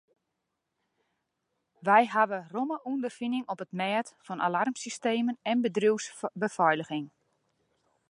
Wy hawwe romme ûnderfining op it mêd fan alarmsystemen en bedriuwsbefeiliging.